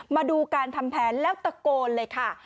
มาดูการทำแผนแล้วตะโกนเลยค่ะ